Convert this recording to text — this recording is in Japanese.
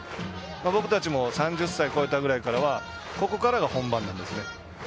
僕たちも３０歳超えたぐらいからはここからが本番です。